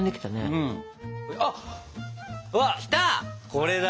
これだ！